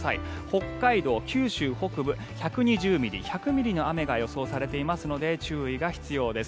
北海道、九州北部１２０ミリ、１００ミリの雨が予想されていますので注意が必要です。